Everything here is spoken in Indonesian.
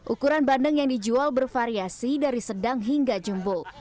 ukuran bandeng yang dijual bervariasi dari sedang hingga jumbo